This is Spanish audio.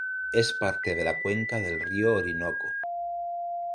Es parte de la cuenca del río Orinoco.